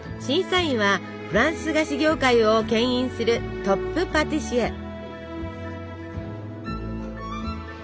審査員はフランス菓子業界をけん引するトップパティシエ。